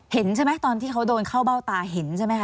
เห็นใช่ไหมตอนที่เขาโดนเข้าเบ้าตาเห็นใช่ไหมค